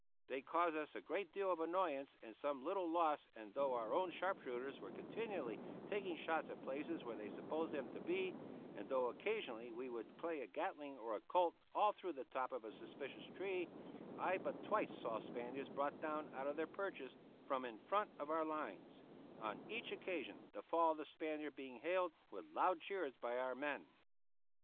They caused us a great deal of annoyance and some little loss, and though our own sharp shooters were continually taking shots at the places where they supposed them to be, and though occasionally we would play a Gatling or a Colt all through the top of a suspicious tree, I but twice saw Spaniards brought down out of their perches from in front of our lines on each occasion the fall of the Spaniard being hailed with loud cheers by our men.